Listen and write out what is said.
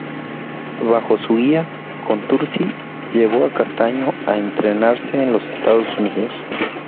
Bajo su guía Contursi llevó a Castaño a entrenarse en los Estados Unidos.